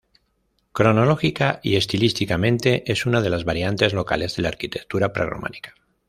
Cronológica y estilísticamente es una de las variantes locales de la arquitectura prerrománica.